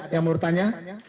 yang mau bertanya